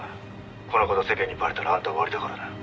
「この事世間にバレたらあんたは終わりだからな」